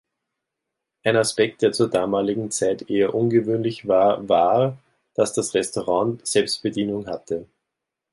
Ein Aspekt der zur damaligen Zeit eher ungewöhnlich war, war, dass das Restaurant Selbstbedienung hatte.